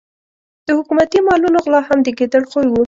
د حکومتي مالونو غلا هم د ګیدړ خوی وو.